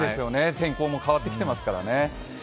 天候も変わってきていますからね。